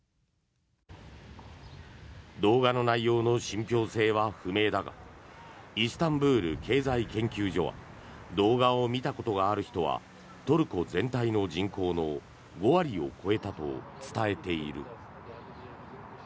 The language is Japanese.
動画の内容の信ぴょう性は不明だがイスタンブール経済研究所は動画を見たことがある人はトルコ全体の人口の５割を超えたと伝えている。